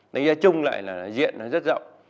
đánh giá chung lại là diện nó rất rộng